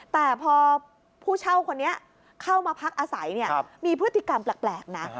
แต่พอผู้เช่าคนนี้เข้ามาพักอาศัยมีพฤติกรรมแปลกนะ